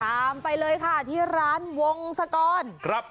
ตามไปเลยค่ะที่ร้านวงสกร